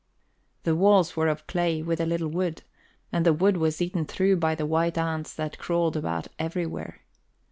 The walls were of clay, with a little wood, and the wood was eaten through by the white ants that crawled about everywhere.